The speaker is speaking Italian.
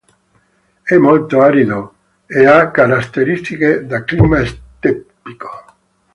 È molto arido e ha caratteristiche da clima steppico.